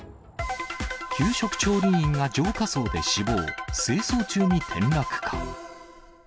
給食調理員が浄化槽で死亡、清掃中に転落か。